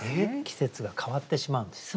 季節が変わってしまうんです。